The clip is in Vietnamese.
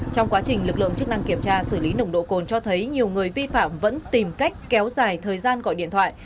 trong quá trình lực lượng chức năng kiểm tra xử lý nồng độ cồn cho thấy nhiều người vi phạm vẫn tìm cách kéo dài thời gian gọi điện thoại